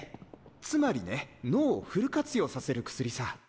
つまりね脳をフル活用させる薬さ。